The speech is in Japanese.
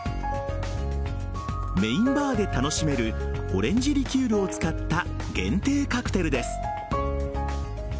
メインバーで楽しめるオレンジリキュールを使った限定カクテルです。